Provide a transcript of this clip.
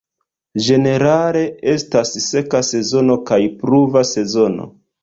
Ĝenerale estas seka sezono kaj pluva sezono.